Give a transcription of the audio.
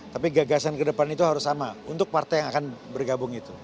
tapi gagasan ke depan itu harus sama untuk partai yang akan bergabung itu